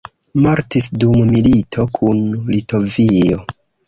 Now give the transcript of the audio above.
Mortis dum milito kun Litovio.